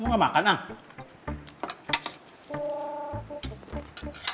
tuy engkau puji banget